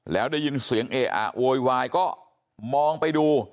แล้วได้ยินเสียงเออะโวยวายก็มองไปดู